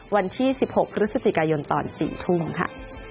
วันที่๑๖พฤศจิกายนตอน๔ทุ่มค่ะ